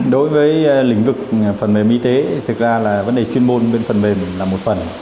đối với lĩnh vực phần mềm y tế thực ra là vấn đề chuyên môn bên phần mềm là một phần